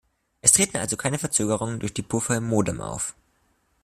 Es treten also keine Verzögerungen durch die Puffer im Modem auf.